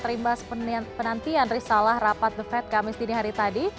terimbas penantian risalah rapat the fed kamis dini hari tadi